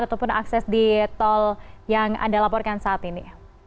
ataupun akses di tol yang anda laporkan saat ini